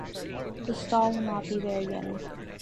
The stall will not be there again.